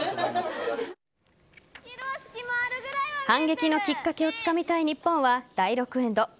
反撃のきっかけをつかみたい日本は、第６エンド。